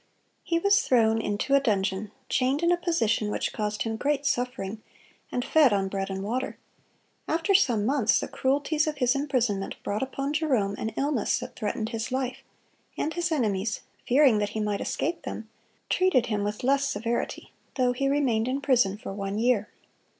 (145) He was thrown into a dungeon, chained in a position which caused him great suffering, and fed on bread and water. After some months the cruelties of his imprisonment brought upon Jerome an illness that threatened his life, and his enemies, fearing that he might escape them, treated him with less severity, though he remained in prison for one year.